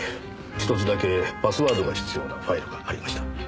１つだけパスワードが必要なファイルがありました。